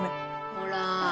ほら。